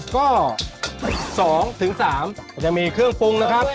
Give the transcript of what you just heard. ก็๒๓มันจะมีเครื่องปรุงนะครับ